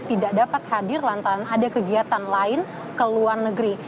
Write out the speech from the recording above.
tidak dapat hadir lantaran ada kegiatan lain ke luar negeri